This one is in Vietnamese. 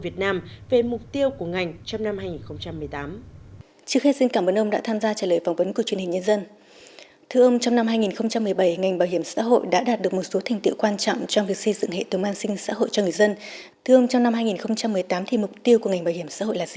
việt nam về mục tiêu của ngành trong năm hai nghìn một mươi tám